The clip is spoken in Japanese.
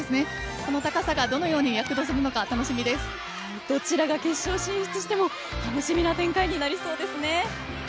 この高さがどのようにどちらが決勝進出しても楽しみな展開になりそうですね。